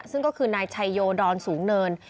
ซึ่งก็คือนายชัยโยดอนสูงเนิน